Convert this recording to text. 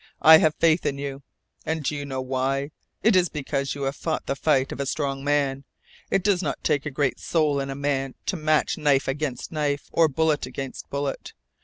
I have faith in you. And do you know why? It is because you have fought the fight of a strong man. It does not take great soul in a man to match knife against knife, or bullet against bullet.